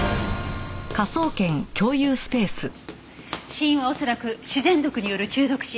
死因は恐らく自然毒による中毒死。